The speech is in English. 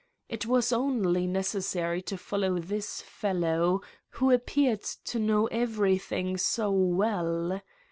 It was only necessary to follow this fellow, who appeared to know everything so well.